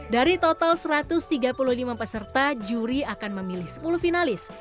dari total satu ratus tiga puluh lima peserta juri akan memilih sepuluh finalis